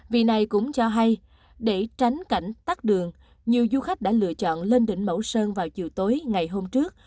vị này cũng cho hay để tránh cảnh tắc đường nhiều du khách đã lựa chọn lên đỉnh mấu sơn vào chiều tối ngày hôm trước